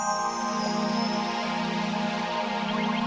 aku bener bener berkepungkan pada ipeng